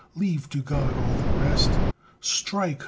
leave to God all the rest; Strike!